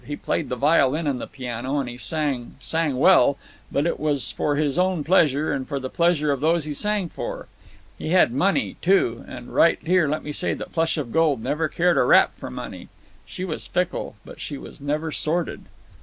He played the violin and the piano, and he sang—sang well—but it was for his own pleasure and for the pleasure of those he sang for. He had money, too—and right here let me say that Flush of Gold never cared a rap for money. She was fickle, but she was never sordid.